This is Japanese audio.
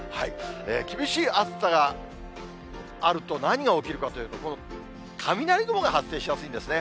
厳しい暑さがあると、何が起きるかというと、この雷雲が発生しやすいんですね。